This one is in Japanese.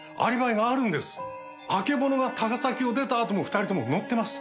あけぼのが高崎を出たあとも２人とも乗ってます。